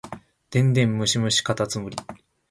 電電ムシムシかたつむり